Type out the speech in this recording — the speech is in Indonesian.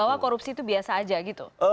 bahwa korupsi itu biasa aja gitu